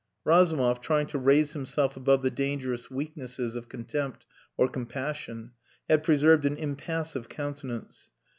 Razumov, trying to raise himself above the dangerous weaknesses of contempt or compassion, had preserved an impassive countenance.